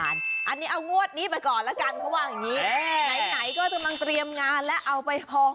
อันนี้เอางวดนี้ไปก่อนแล้วก็ว่าอย่างนี้ไหนก็ว่าเดี๋ยวก็ตกเตรียมงานและเอาไปพอ